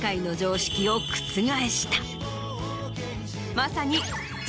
まさに。